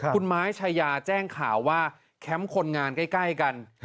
คุณไม้ชายาแจ้งข่าวว่าแคมป์คนงานใกล้กัน